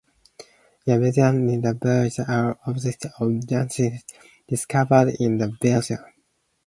In a museum in the village are objects of antiquity discovered in the vicinity.